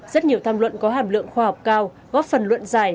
rất nhiều tham luận có hàm lượng khoa học cao góp phần luận giải